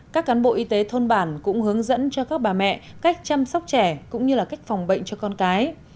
các cán bộ y tế thôn bản cũng hướng dẫn cho các bà mẹ cách chăm sóc trẻ cũng như là cách phòng bệnh cho con cái